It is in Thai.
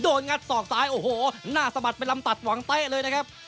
งัดศอกซ้ายโอ้โหหน้าสะบัดเป็นลำตัดหวังเต๊ะเลยนะครับ